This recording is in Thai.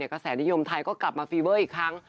กระแสนิยมไทยก็กลับมาฟีเวอร์อีกครั้ง